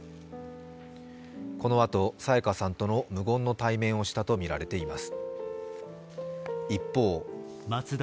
このあと沙也加さんとの無言の対面をしたとみられています。